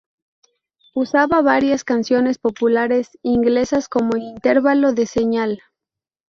Usaba varias canciones populares inglesas como intervalo de señal.